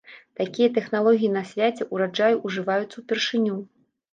Такія тэхналогіі на свяце ўраджаю ўжываюцца ўпершыню.